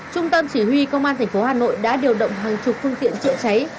trung tâm chỉ huy công an thành phố hà nội đã điều động hàng chục thông tiện chữa cháy